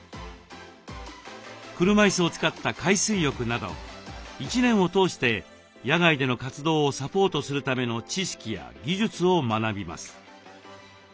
車いすを使った海水浴など一年を通して野外での活動をサポートするための知識や技術を学びます。